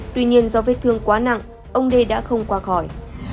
tuy nhiên do vết thương quá nặng ông đê đã không qua khỏi